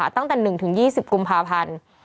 ตั้งแต่๑๒๐กุมภาพันธ์